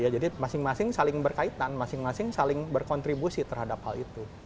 jadi masing masing saling berkaitan masing masing saling berkontribusi terhadap hal itu